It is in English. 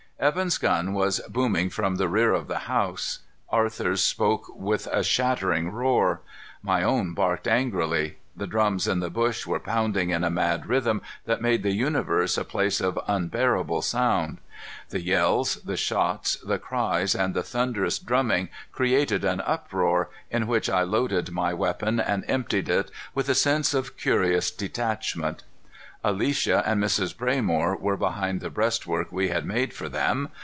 Evan's gun was booming from the rear of the house. Arthur's spoke with a shattering roar. My own barked angrily. The drums in the bush were pounding in a mad rhythm that made the universe a place of unbearable sound. The yells, the shots, the cries, and the thunderous drumming created an uproar in which I loaded my weapon and emptied it with a sense of curious detachment. Alicia and Mrs. Braymore were behind the breastwork we had made for them.